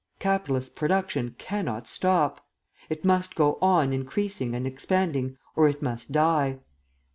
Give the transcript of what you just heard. Capitalist production cannot stop. It must go on increasing and expanding, or it must die.